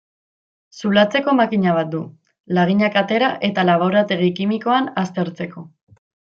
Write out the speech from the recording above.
Zulatzeko makina bat du, laginak atera eta laborategi kimikoan aztertzeko.